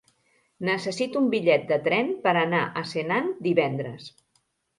Necessito un bitllet de tren per anar a Senan divendres.